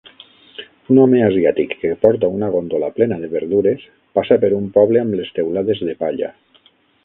Un home asiàtic que porta una góndola plena de verdures passa per un poble amb les teulades de palla